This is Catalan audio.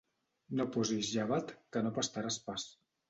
No posis llevat, que no pastaràs pas.